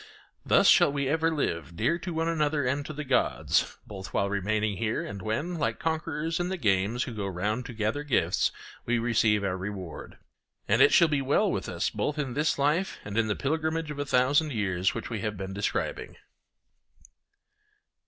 Thus shall we live dear to one another and to the gods, both while remaining here and when, like conquerors in the games who go round to gather gifts, we receive our reward. And it shall be well with us both in this life and in the pilgrimage of a thousand years which we have been describing.